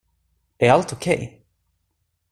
Är allt okej?